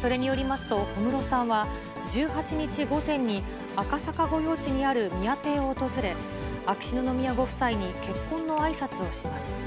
それによりますと、小室さんは１８日午前に赤坂御用地にある宮邸を訪れ、秋篠宮ご夫妻に結婚のあいさつをします。